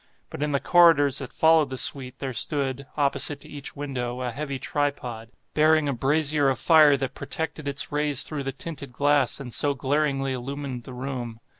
But in the corridors that followed the suite, there stood, opposite to each window, a heavy tripod, bearing a brazier of fire that projected its rays through the tinted glass and so glaringly illumined the room.